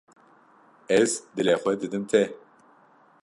Ez dilê xwe didim te.